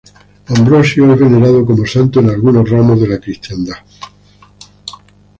Ambrosio es venerado como santo en algunos ramos de la cristiandad.